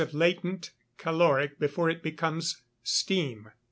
of latent caloric before it becomes steam.